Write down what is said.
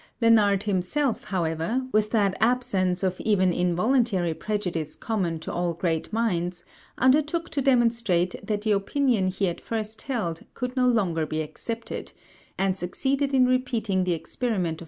Lenard himself, however, with that absence of even involuntary prejudice common to all great minds, undertook to demonstrate that the opinion he at first held could no longer be accepted, and succeeded in repeating the experiment of M.